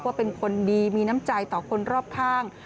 ว่าเป็นคนดีมีน้ำใจต่อคนรอบข้าง